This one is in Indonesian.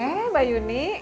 eh mbak yuni